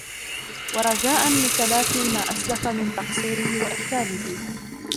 وَرَجَاءً لِتَلَافِي مَا أَسْلَفَ مِنْ تَقْصِيرِهِ وَإِخْلَالِهِ